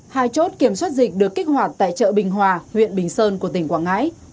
hai chốt kiểm soát dịch được kích hoạt tại chợ bình hòa huyện bình sơn của tỉnh quảng ngãi